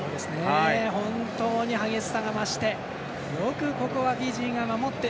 本当に激しさが増してよく、ここはフィジーが守って。